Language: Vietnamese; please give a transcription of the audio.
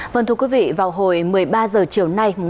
vâng thưa quý vị vào hồi một mươi ba h chiều nay